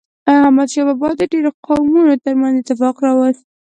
احمد شاه بابا د ډیرو قومونو ترمنځ اتفاق راوست.